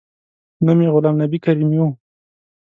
نوم یې غلام نبي کریمي و.